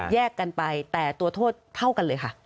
แยกกันไปแต่ตัวโทษเท่ากันเลยค่ะ